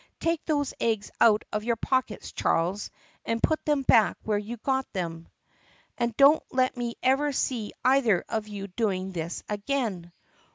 Take those eggs out of your pocket, Charles, and put them back where you got them. And don't let me ever see either of you doing this again